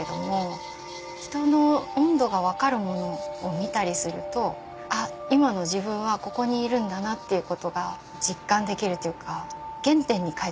人の温度が分かるものを見たりするとあっ今の自分はここに居るんだなっていうことが実感できるというか原点に返ってくような感じ。